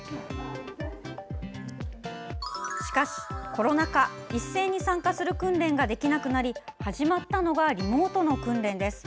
しかし、コロナ禍一斉に参加する訓練ができなくなり始まったのがリモートの訓練です。